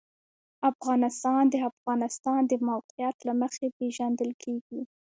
افغانستان د د افغانستان د موقعیت له مخې پېژندل کېږي.